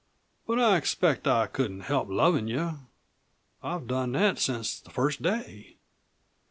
But I expect I couldn't help lovin' you I've done that since the first day."